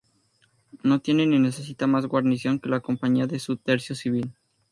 No tiene ni necesita más guarnición que la Compañía de su Tercio Civil.